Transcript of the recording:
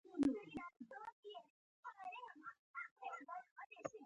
پانګه والو وضعيت بدتر وي.